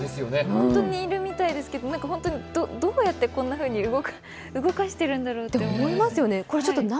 本当にいるみたいですけど、どうやってこんなふうに動かしてるんだろうと思って。